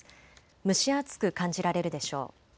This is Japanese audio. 蒸し暑く感じられるでしょう。